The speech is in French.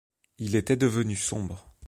Il était devenu sombre.